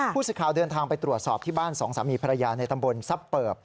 สิทธิ์ข่าวเดินทางไปตรวจสอบที่บ้านสองสามีภรรยาในตำบลซับเปิบ